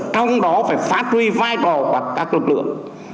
trong đó phải phát huy vai trò của các lực lượng